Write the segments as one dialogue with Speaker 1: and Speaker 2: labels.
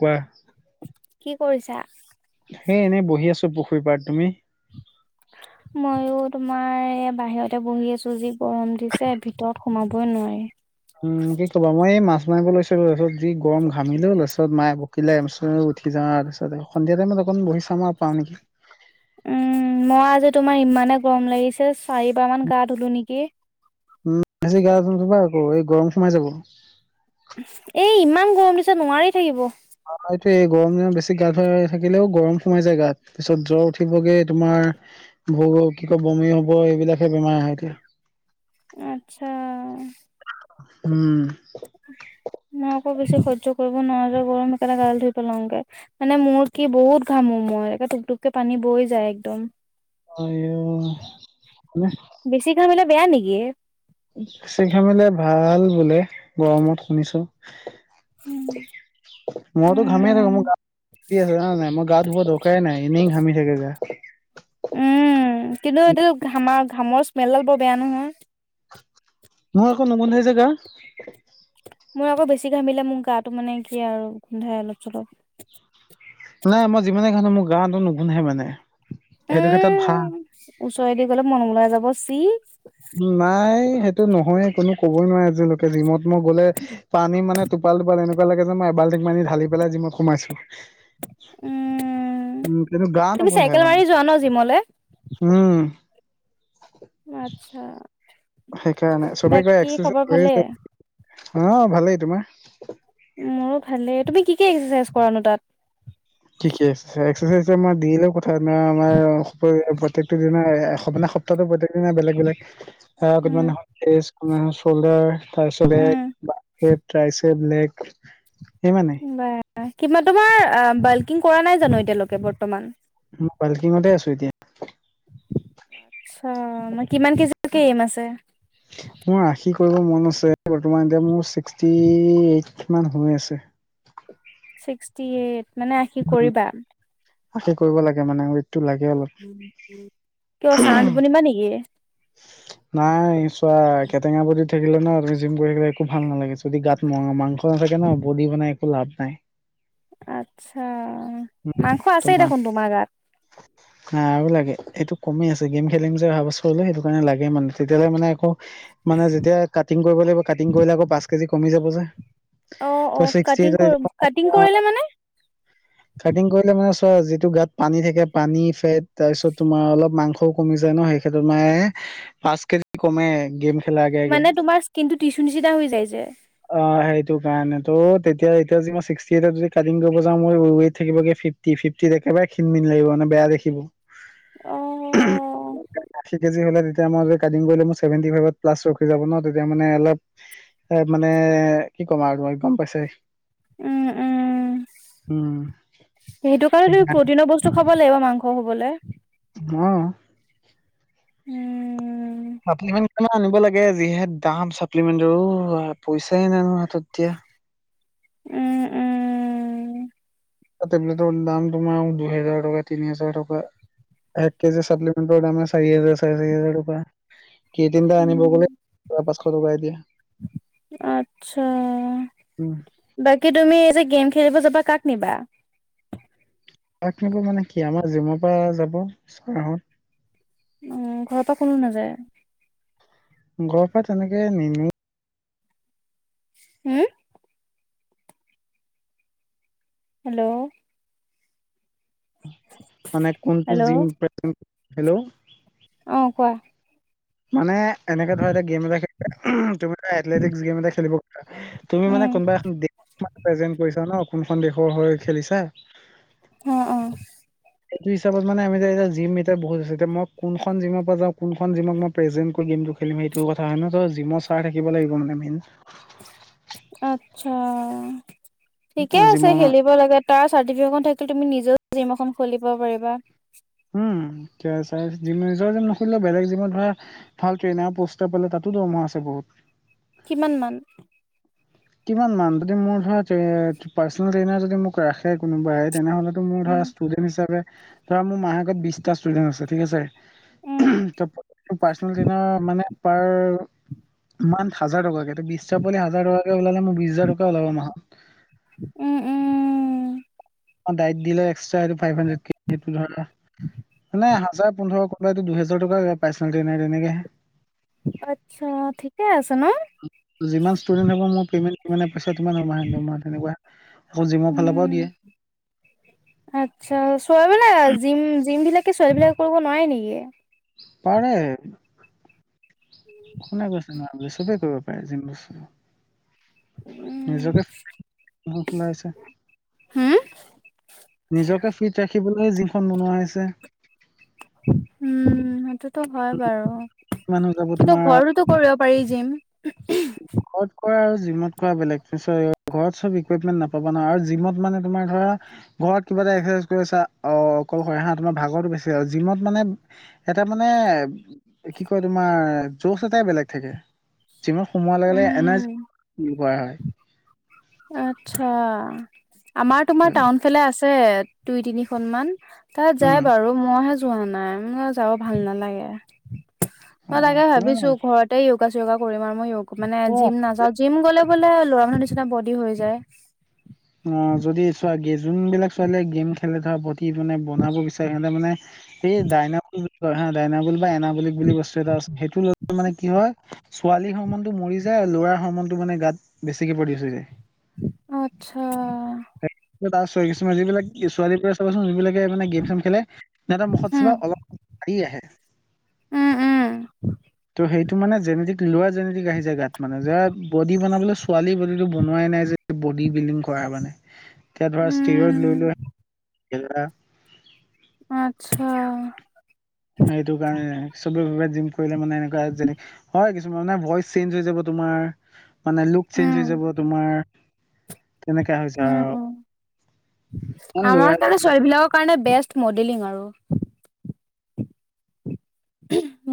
Speaker 1: কোৱা
Speaker 2: কি কৰিছা
Speaker 1: হেই এনেই বহি আছো পুখুৰী পাৰত তুমি
Speaker 2: মইয়ো তোমাৰ এয়া বাহিৰতে বহি আছো যি গৰম দিছে ভিতৰত সোমাবই নোৱাৰে
Speaker 1: উম কি ক'ব মই এই মাছ মাংস লৈছিলো পিছত যি গৰম ঘামিলো তাৰপিছত মায়ে বকিলে [unintelligible] উঠি য তাৰ পিছত সন্ধিয়া টাইমত অকণ বহি চাম আৰু পাও নেকি
Speaker 2: উম মই আজি তোমাৰ ইমানে গৰম লাগিছে চাৰিবাৰ মান গা ধলো নেকি
Speaker 1: উমেি গা যাবা আকৌ এই গৰম সোমাই যাব
Speaker 2: এ ইমান গৰম পিছত নোৱাৰি থাকিব
Speaker 1: এইটো এই গৰম দিনত বেছি গা ধুৱাই থাকিলেও গৰম সোমাই যায় গাত পিছত জ্বৰ উঠিবগৈ তোমাৰ ভোগ কি ক বমি হব এইবিলাকে বেমাৰ আহে এতিয়া
Speaker 2: আচ্ছা
Speaker 1: উম
Speaker 2: ম খ বেছি সহ্য় কৰিব নোৱাৰা যে গৰম একেটা গালি ধই পেলাওঁগে মানে মোৰ কি বহুত ঘামো মই টুক টুকে পানী বৈি যায় একদম
Speaker 1: হয়নে
Speaker 2: ব্যানগ
Speaker 1: ছি খ মিলে ভাল বোলে গৰমত শুনিছো
Speaker 2: উম।
Speaker 1: মইতো ঘামেই থাকো
Speaker 2: উম
Speaker 1: মোৰ আছে জাই মই গ ধ ধোকে নাই ই হামি চাগেগা
Speaker 2: উম কিন্তু এইডাল ঘামাৰ ঘামৰ স্মেলডাল বৰ বেয়া নহয়
Speaker 1: নহয় আকৌ নমনহে জেগা
Speaker 2: মোৰ আকৌ বেছি ঘাম মিলে মোৰ গাটো মানে কি আৰু গোন্ধাই অলপ চলপ
Speaker 1: নাই মই যিমানে খানো মোৰ গাতো নুগুনধাই মানে সেইটো ক্ষেত্ৰত ভাল
Speaker 2: উম ওচৰেদি গলে মনমলাই যাব চি
Speaker 1: নাই সেইটো নহয়ে কোনো কবই নোৱাৰে আজিলৈকে জিমত মই গলে পানী মানে টোপাল টোপাল এনেকুৱা লাগে যে মই এবাল্টিঙ মানি ঢালি পেলাই জিমত মই সোমাইছো
Speaker 2: উম
Speaker 1: উম কিন্তু গা
Speaker 2: তুমি
Speaker 1: নোগোনধাই
Speaker 2: চাইকেল
Speaker 1: মানে
Speaker 2: মাৰি যোৱা ন জিমলে
Speaker 1: উম
Speaker 2: আত্ছা
Speaker 1: সেইকাৰণে চবে কৰে এচোচো
Speaker 2: খবৰ
Speaker 1: লৈ
Speaker 2: ভালে
Speaker 1: গ'ল অ ভালেই তোমাৰ [unintelligible]
Speaker 2: মোৰো ভালেই তুমি কি কি এক্সাৰচাইজ কৰানো তাত
Speaker 1: কি একচচাইজাৰ দিলে ক আমাৰ প্ৰত্যেকটো দি মানে সপ্তাহটো প্ৰত্যেক দিন বেলেগ বেলেগ আহ আগত
Speaker 2: উম
Speaker 1: মানে টেইচ চল্ডাৰ
Speaker 2: উম
Speaker 1: তাৰপিছতেই টাই চেপ [unintelligible] বেলেগ সেইমানে
Speaker 2: কি তোমাৰ বাল্কিং কৰা নাই জানো এতিয়ালৈকে বৰ্তমান
Speaker 1: মই বাল্কিঙতে আছো এতিয়া
Speaker 2: আতছা মই কিমান কেজি‌ লেকৈ এম আছে
Speaker 1: মোৰ আশী কৰিব মন আছে বৰ্তমান এতিয়া চিষ্টি এইত কিমান হৈয় আছে
Speaker 2: ছিক্সটি এইট মানে আশি কৰিবা
Speaker 1: আশি কৰিব লাগে মানে ওৱেট টো লাগে অলপ
Speaker 2: কিয় চাউণ্ড বনিবা নেকি
Speaker 1: নাই চোৱা কেটেঙা বদীত থাকিলে ন তুমি জিম কৰি থাকে একো ভাল নালাগে যদি গাত ম মাংস নাথাকে ন বডি বনাই একো লাভ নাই
Speaker 2: আচ্ছা মাংস আছেই
Speaker 1: তোমাক
Speaker 2: দেখোন তোমাৰ গাত
Speaker 1: আৰু লাগে এইটো কম আছে গেম খেলিম যে অহাছ কৰিলো সেটো কাৰে লাগে মানে তেতিয়াহলে মানে আকৌ মানে যেতিয়া কাটিং কৰিব লাগিব কাটিং কৰিলে আকৌ পাঁচ কেজি কমি যাব যে
Speaker 2: অ
Speaker 1: ত
Speaker 2: অ কাটিং
Speaker 1: ছিক্সটি
Speaker 2: কাটিং কৰিলে মানে।
Speaker 1: কাটিং কৰিলে- মানে চোৱা যিটো গাত পানী থাকে পানী ফেট তাৰপিছত তোমাৰ অলপ মাংসও কমি যায় ন' সেই ক্ষেত্ৰত মানে- পাঁচ কেজি কমে। খেলাৰ আগে আগে
Speaker 2: মানে তোমাৰ স্কিন টো টিচু নিচিনা হৈ যায় যে।
Speaker 1: অঁ সেইটো কাৰণে। ত' তেতিয়া এতিয়া জদি মই ছিক্সটি এইট'ত জদি মই কাটিং কৰিবলৈ যাও- ফিফটি ফিফটিত একেবাৰে খিনমিন লাগিব মানে বেয়া দেখিব।
Speaker 2: অঁ।
Speaker 1: যেতিয়া মই কাটিং কৰিলে ছেভেটি ফাইত প্লাছ ৰখি যাব ন' তেতিয়া মানে অলপ - মানে কি ক'ম আৰু তোমাক গম পাইছাই।
Speaker 2: উমঁ
Speaker 1: উম
Speaker 2: উমঁ। সেইটো কাৰণে তুমি প্ৰটিনৰ বস্তু খাব- লাগিব মাংস হবলে।
Speaker 1: অঁ।
Speaker 2: উমঁ।
Speaker 1: চাপ্লিমেণ্টখনো আনিব লাগে যিহে দাম চাপ্লিমেণ্টৰো পইচাই নাই নহয় হাত'ত এতিয়া।
Speaker 2: উমঁ উমঁ।
Speaker 1: চাপ্লিমেণ্ট দাম তোমাৰ দুহেজাৰ টকা, তিনি হাজাৰ টকা। এক কেজি চাপ্লিমেণ্টৰ দাম চাৰি হাজাৰ, চাৰে চাৰি হাজাৰ টকা। কে টেএম এটা আনিব গ'লে পাছশ টকা এতিয়া
Speaker 2: আচ্ছা।
Speaker 1: উম
Speaker 2: বাকী তুমি যে গেম- খেলিব যাব কা'ক নিবা?
Speaker 1: কাক নিব মানে কি আমাৰ জিমৰ পৰা যাব চাৰহত।
Speaker 2: উম ঘৰৰ পৰা কোনো নাযায়?
Speaker 1: ঘৰৰ পৰা তেনেকে নিনো।
Speaker 2: হম- হেল্ল'
Speaker 1: মানে কোনটো জিম হেল্ল'
Speaker 2: অঁ কোৱা?
Speaker 1: মানে এনেকে ধৰা এয়া গেম এটা খেল- তুমি এলতেটিক গেম এটা খেলিব পাৰা তুমি মানে
Speaker 2: উম
Speaker 1: কোনোবা এখনে প্ৰেজেন্ট কৰিছা ন'। কোনখন দেশৰ হৈ খেলিছা।
Speaker 2: অঁহ অঁহ।
Speaker 1: সেইটো হিচাপ মানে যে এতিয়া জিম এতিয়া বহুত আছে এতিয়া মই কোনখন জিমৰ পৰা যাওঁ কোনখন জিমত মই- প্ৰেজেন্ট গেমটো খেলিম সেইটো কথা হয় ন'। ত' জিমৰ চাৰ থাকিব লাগিব মানে মেইন।
Speaker 2: আচ্ছা। ঠিকে আছে
Speaker 1: জিমৰ
Speaker 2: খেলিব লাগে। তাৰ চাৰ্টিফিকেটখন থাকিলে তুমি নিজেও- জিম এখন খুলিব পাৰিবা।
Speaker 1: উমঁ। নিজৰ জিম নুুখিলিলেও বেলেগ জিমত ধৰা ভাল ট্ৰেইনাৰ পষ্ট পালে তা'তো দৰমহা- আছে বহুত।
Speaker 2: কিমান মান?
Speaker 1: কিমান মান যদি মোৰ ধৰা পাৰ্চনেল ট্ৰেইন যদি মোক ৰাখে কোনোবাই- তেনেহ'লে তো মোৰ
Speaker 2: উম
Speaker 1: ধৰা ষ্টুডেন্ট হিচাপে ধৰা মোৰ মাহে আগত বিশটা ষ্টুডেন্ট আছে ঠিক আছে।
Speaker 2: উম
Speaker 1: ত' পাৰ্চেন জনো মানে- মান্থ হাজাৰ টকাকে বিশ্বত কৈ হাজাৰ- টকাকে ওলালে মোৰ বিশ হাজাৰ টকা কৈ ওলাব মোৰ মাহত।
Speaker 2: উম উম
Speaker 1: অঁ ডাইট দিলে এক্সটা ফাইভ হাড্ৰেটৰ ধৰ মানে হাজাৰ- পোন্ধৰ, দুহেজাৰ টকা পইচা পাইছো তেনেকে।
Speaker 2: আচ্ছা ঠিকে আছে ন'।
Speaker 1: যিমান ষ্টুডেণ্ট হ'ব মোৰ প্লেনেট সিমানে হয় পইচা তেনেকুৱা। আকৌ জিমৰ ফালৰ পৰাও
Speaker 2: উমঁ
Speaker 1: দিয়ে
Speaker 2: আচ্ছা। চব বিলাক জিম জিম বিলাক- ছোৱালী বিলাক কৰিব নোৱাৰে নেকি?
Speaker 1: পাৰে কোনে কৈছে নোৱাৰে চবেই কৰিব পাৰে জিম
Speaker 2: উম
Speaker 1: নিজকে ওলাইছে
Speaker 2: হুম
Speaker 1: নিজকে ফিট ৰাখিবলৈ যিখন বনোৱা হৈছে
Speaker 2: উম সেইটোতো হয় বাৰু
Speaker 1: মানুহ যাব
Speaker 2: কিন্তু
Speaker 1: তোমাৰ
Speaker 2: ঘৰতো কৰিব পাৰি যিম
Speaker 1: ক'ত কোৱা আ জিমত কৰা বেলেগ ঘৰত চব ইকোৱেটমেট নাপাবনা আৰু জিমৰ মানে তোমাৰ ধৰা ই কৰিছা অ ক হা তোমাৰ ভাগৰটো বেছি জিমত মানে এটা মানে। কি কয় তোমাৰ জোজ এটাই বেলেগ থাকে। যিমান এনাৰজ
Speaker 2: উম
Speaker 1: হয়।
Speaker 2: আত্ছা আমাৰ তোমাৰ
Speaker 1: হয়
Speaker 2: টাউন ফালে আছে। আছে দুই তিনিখনন মান তাত যায়।
Speaker 1: উম
Speaker 2: বাৰু মইে নাই ম যা ভাল নালাগে
Speaker 1: অ
Speaker 2: মই তাকে
Speaker 1: তুমি
Speaker 2: ভাবিছো।
Speaker 1: নাই
Speaker 2: ঘৰতে চ কৰিম আৰু মই মানে জিম
Speaker 1: অ
Speaker 2: নাযও জিম গলে বোলে'ৰা মানুহ নিচনা বহুত হৈ যায়।
Speaker 1: অ যদি চোৱা গে যোনবিলাক ছোৱালীয়ে গেম খেলে ধৰা প্ৰতি মানে বনাব বিচাৰে সিহঁতে মানে সেই ডাইন। হয় হা ডাইনাবুলি বা এনাবুলিক বুলি বস্তু এটা আছেই মানে কি হয় ছোৱালীৰ সমন্নতটো মৰি যায় আৰু ল'ৰাৰ সমন্নতটো মানে গাত বেছিকে পৰিচ যায়
Speaker 2: আত্ছা
Speaker 1: ত আ কিছুমান যিবিলাক ছোৱালীবোৰে চাবচোন যিবিলাক মানে গেম চেম খেলে নহতৰ মুখত
Speaker 2: উম
Speaker 1: চবা অলপ হি আহে
Speaker 2: উম উম
Speaker 1: ত' সেইটো মানে যেেনে লোৱা জেনেতিিক আহি যায় গাত মানে যে বড বনাবলৈ ছোৱালী বডীটো বনোৱাই নাই বডি বিল্ডিং কৰা মানে
Speaker 2: উম
Speaker 1: [inaudible]
Speaker 2: আচ্ছা
Speaker 1: সেইটো কাৰণে চবে জিম কৰিলে মানে এনেকুৱা যেনে হয় মানে ভইচ চেঞ্জ হৈ যাব তোমাৰ মানে লুক চেঞ্জ হৈ
Speaker 2: উম
Speaker 1: যাব তোমাৰ তেনেকা হৈছে
Speaker 2: উম
Speaker 1: আৰু
Speaker 2: উম
Speaker 1: ইমান ল'ৰা
Speaker 2: আমাৰ কাৰণে ছোৱালীবিলাকৰ কাৰণে বেস মডেলিং আৰু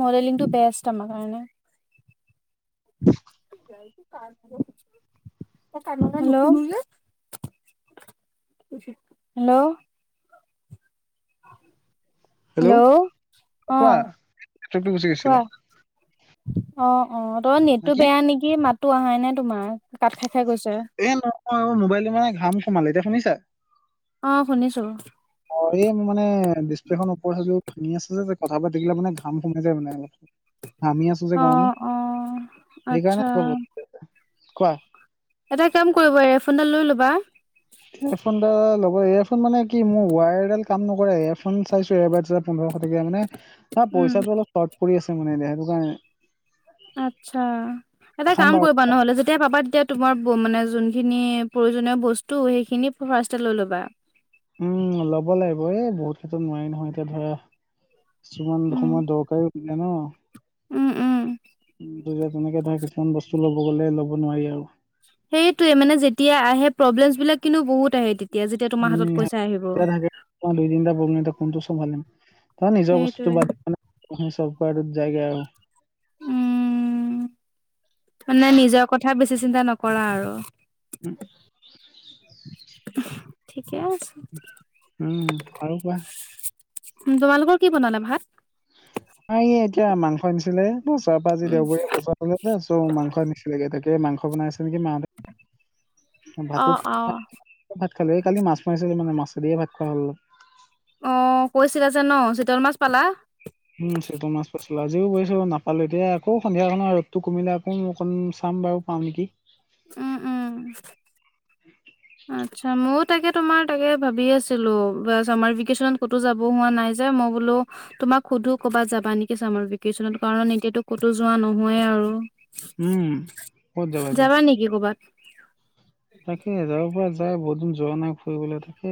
Speaker 2: মডেলিংটো বেষ্ট আমাৰ কাৰণে কাৰ ্ হেল্ল' হেল্ল'
Speaker 1: কোৱা
Speaker 2: আহ
Speaker 1: নেটৱৰ্কটো গুচি
Speaker 2: কোৱা
Speaker 1: গৈছিলে
Speaker 2: অ অ তই
Speaker 1: নে
Speaker 2: নেটটো
Speaker 1: কি
Speaker 2: বেয়া নেকি মাতো অহাই নে তোমাৰ কাঠ খা থাকাকৈ ছাৰ
Speaker 1: অ অ মোবাইলটো মানে ঘাম সোমালে এতিয়া শুনিছা
Speaker 2: অ শুনিছো
Speaker 1: অ মানে ডিছপ্লেনৰ ওপৰত সিও ভাঙি আছে যে কথা পা থাকিলে মানে ঘাম সোমাই যায় মানে অলপ আামি আছো যে
Speaker 2: অ
Speaker 1: গৰমত
Speaker 2: অ
Speaker 1: সেইকাৰণে
Speaker 2: আচ্ছা
Speaker 1: কোৱা
Speaker 2: এটা কাম কৰিব ৰে ফোনডাল লৈ ল'বা
Speaker 1: এয়াৰফোনডাল লগৰ এয়াৰফোন মানে কি মোৰ ৱায়াৰডাল কাম নকৰে এয়াৰফোন চাইছো এবাৰ পোন্ধৰ মানে হ
Speaker 2: উম
Speaker 1: পইচাটো অলপ কট পৰি আছে মানে এতিয়া সেইটো কাৰণে
Speaker 2: আত্ছা এটা
Speaker 1: খাম
Speaker 2: কাম
Speaker 1: বাৰু
Speaker 2: কৰিবা নহ'লে যেতিয়া পাপা এতিয়া তোমাৰ মানে যোনখিনি প্ৰয়োজনীয় বস্তু সেইখিনি ফাৰষ্ট লৈ ল'বা
Speaker 1: উম ল'ব লাগিব এই বহুত ক্ষেত্ৰত নোৱাৰি নহয় এতিয়া ধৰা কিছুমান সময় দৰকাৰী নে ন
Speaker 2: উম উম
Speaker 1: তেনেকে ধৰা কিছুমান বস্তু লব গলে ল'ব নোৱাৰি আৰু
Speaker 2: সেইটোয়ে মানে যেতিয়া আহে প্ৰব্লেমছ বিলাক কিন্তু বহুত আহে তেত- এতিয়া যেতিয়া তোমাৰ
Speaker 1: উম
Speaker 2: হাতত পইচা আহিব।
Speaker 1: তেতিয়া থাকে তোমাৰ ত নিজৰ বস্তুটো
Speaker 2: সেইটোৱে
Speaker 1: বাদ নাই চবক যায়গে আৰু।
Speaker 2: উম মানে নিজৰ কথা বেছি চিন্তা নকৰা আৰু।
Speaker 1: [unintelligible]
Speaker 2: ঠিকে আছে
Speaker 1: উম আৰু কোৱা।
Speaker 2: উ তোমালোকৰ কি বনালে ভাত।
Speaker 1: আ এতিয়া মাংস নিছিলে চ পৰা আজি
Speaker 2: উম
Speaker 1: দেওবৰীয়া বজাৰলে যে চ' মাংস নিছিলেগে ত। এই মাংস বনাইছে নেকি মাহতে।
Speaker 2: অ
Speaker 1: ভাতো
Speaker 2: অ
Speaker 1: ভাত খালো এই কালি মাছ মাৰিছিলো মানে মাছেদিয়ে ভাত খোৱা হ'ল অলপ।
Speaker 2: অ কৈছিলা যে ন চিতল মাছ পালা।
Speaker 1: উম চটো মাছ পাইছিলো আজিও পাইছো নাপালো এতিয়া আকৌ সন্ধিয়া খনৰ ৰদটো কমিলে আকৌ অকন চ। পাম বাৰু পাম নেকি।
Speaker 2: উম উম। আচ্ছা ময়ো তাকে তোমাৰ তাকে ভাবি আছিলো চাৰ ভকনত ক'তো যাব হোৱা নাই য মই বোলো। আমাক সুধো ক'বাত যাবা নেকি চাম আৰু ভেকেশচনত কাৰণ এতিয়াাতো ক'তো যোৱা নহয়ে আৰু।
Speaker 1: উম, ক'ত এতিয়া?
Speaker 2: যাবা নেকি কৰ'বাত।
Speaker 1: তাকে এজাৰৰ পৰা যাই বৰুদিন যোৱা নাই ফুৰিবলৈ তাকে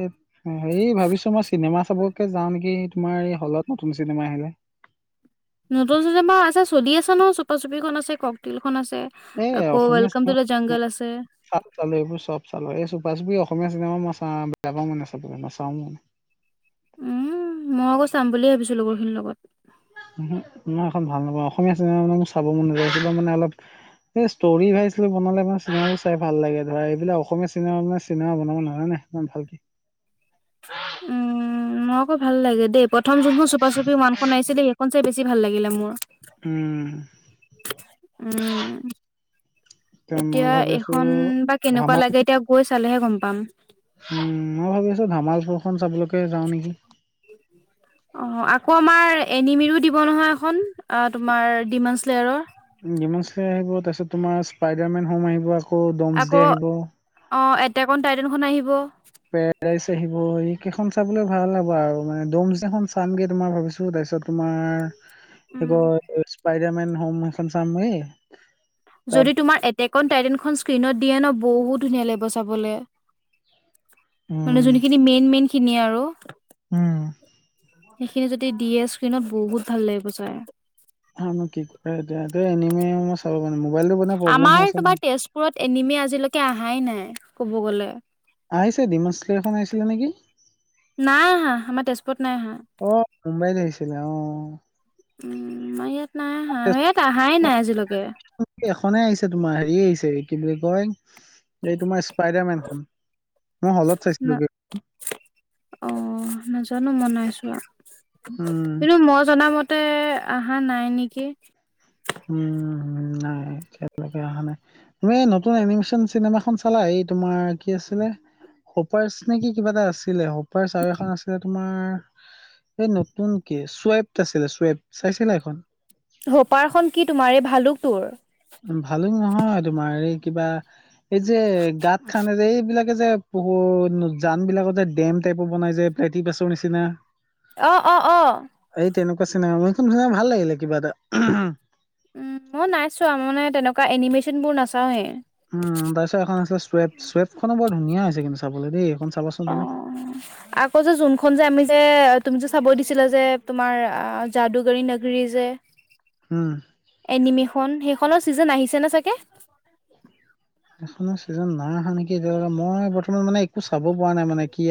Speaker 1: হে ভাবিছো মই চিনেমা। চবকে যাওঁ নেকি তোমাৰ এই হলত নতুন চিনেমা আহিলে।
Speaker 2: নতুন চুটমাৰ আছে চলি আছে ন চুপা চুপিখন আছে কওক তিল। খন আছে
Speaker 1: এই
Speaker 2: আকৌ
Speaker 1: অসমীয়া
Speaker 2: ৱেলকাম টু দ
Speaker 1: চিনেমা
Speaker 2: জংগল আছে।
Speaker 1: চৰি অসমীয়া চিনেমা মইা বেয়া পাও মানে চাবে নাচাও মানে।
Speaker 2: উম মই আকৌ চাম বুলিয় ভাবিছো লগৰখিনিৰ লগত।
Speaker 1: উ মই এখন ভাল নাপাওঁ অসমীয়া চিনেমা মানে মোৰ চাব মন নযায় মানে অলপ। এইষ্টৰি ভাইছিলো বনালে মাৰ চিনেমাও চাই ভাল লাগে ধৰা এইবিলাক অসমীয়া চিনেমা মান চিনেমা বনাব নহয়ে নাই। ন ভাল।
Speaker 2: উম মই আকৌ ভাল লাগে দেই প্ৰথম যোনখন চপা চুপি মানখন আহিছিল দেই সেইখন। বেছি ভাল লাগিলে মোৰ।
Speaker 1: উম।
Speaker 2: উম
Speaker 1: ত মই
Speaker 2: এতিয়া
Speaker 1: ভাবি আছো
Speaker 2: এইখন বা কেনেকুৱা
Speaker 1: ধামাল
Speaker 2: লাগে এতিয়া গৈ চালেহে গম পাম।
Speaker 1: উম মই ভাবি আছো ধামাল ফৰখন চাবলৈকে যাওঁ নেকি
Speaker 2: অ আকৌ আমাৰ। এনিমিৰো দিব নহয় এখন তোমাৰ ডিমানছ লেয়াৰৰ।
Speaker 1: ওম ডিমানছ লেয়াৰ আহিব তাৰপিছত তোমাৰ স্পাইডাৰমেন হোম আহিব আকৌ ডমছ ডে আহিব।
Speaker 2: টেক টাইটেনখন আহিব।
Speaker 1: পেৰাছে আহিব। কেইখন চাবলৈ ভাল হ'ব আৰু মানে দমছনাখন চামগে তোমাৰ ভাবিছো তাৰপিছত তোমাৰ
Speaker 2: উম
Speaker 1: এ স্পাইডাৰ মেন হোম সেইখন চামগে। তাত
Speaker 2: যদি তোমাৰ এটেকন টাইটেনখন স্কীণত দিয়ে ন বহুত ধুনীয়া লাগিব চাবলে। মানে
Speaker 1: উম
Speaker 2: যোনখিনি মেইন মেইন খিনি আৰু।
Speaker 1: উম
Speaker 2: খিনি যদি দিয়ে স্ক্ৰীনত বহুত ভাল লাগিব ছাই।
Speaker 1: হয় নো [unintelligible] চাব মোবাইলটো ব প্ৰব্লেম
Speaker 2: আমাৰ
Speaker 1: আছে
Speaker 2: তোমাৰ
Speaker 1: নহয়।
Speaker 2: তেজপুৰত এনিমি আজিলৈকে অহাই নাই ক'ব গ'লে।
Speaker 1: আহিছে ডিমনছ শ্লেৰাৰখন আহিছিলে নেকি?
Speaker 2: নাই আহা আমাৰ তেজপুৰত নাই আহা
Speaker 1: অ মুম্বাইত আহিছিলে অহ।
Speaker 2: উম আমাৰ ইয়াত নাই আহা এ তাহাই নাই আজিলৈকে।
Speaker 1: ফনে আহিছে তোমাৰ হেৰি আহিছে কি বুলি কয়। এইটো মই স্পাইডাৰমেনখন মই হলত চাইছিলো গে।
Speaker 2: অ নাজানো মই নাইচোৱা।
Speaker 1: উম
Speaker 2: কিন্তু মই জনামত। ততে অহা নাই নেকি?
Speaker 1: উম। নাই এতিয়ালৈকে অহা নাই তুমি নতুন এনিমেচন চিনেমা খ চালাই এই তোমাৰ কি আছিলে! হপাৰ্চ নেকি কিবা এটা আছিলে হোপাৰ্চ আৰু এখন আছিলে তোমাৰ এই নতুনক চুৱেপ আছিলে চুৱেপ চাইছিলে এখন?
Speaker 2: হোপাৰখনন কি তোমাৰে ভালুক তোৰ।
Speaker 1: ভালো নহয় তোমাৰ এই কিবা এই যে গাঁত খানে যে এইবিলাক, যে পুহুৰ জান বিলাকত যে ডেম টাইপৰ বনাই যে পলেতি পাছৰ নিচিনা,
Speaker 2: অ অ অ
Speaker 1: [unintelligible] ভাল লাগিলে কিবা এটা।
Speaker 2: উ মই নাইছোৱা মানে তেনেকুৱা এনিমেচন বোৰ নাচাও এ।
Speaker 1: উম তাৰপিছত এখন আছে চুৱে চুৱেটখনো বৰ ধুনীয়া হৈছে কিন্তু চাবলৈ দেই এইখন। চাবাচোন
Speaker 2: অ
Speaker 1: তুমি
Speaker 2: আকৌ যে যোনখন যে আমি যে, তুমি যে চাব দিছিলা যে তোমাৰ যাদুগৰী নগৰি যে,
Speaker 1: উম।
Speaker 2: এনিমেশন সেইখনৰ চিজন আহিছে নে চাগে?
Speaker 1: সেইখনৰ চিজন নাই অহা নেকি এতিয়ালৈকে মই বৰ্তমান মানে একো চাব পৰা নাই মানে কি আ-